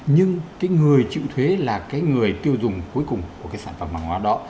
nhưng cái người chịu thuế là cái người tiêu dùng cuối cùng của cái sản phẩm hàng hóa đó